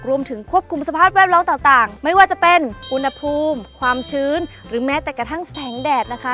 รวมถึงควบคุมสภาพแวดล้อมต่างไม่ว่าจะเป็นอุณหภูมิความชื้นหรือแม้แต่กระทั่งแสงแดดนะคะ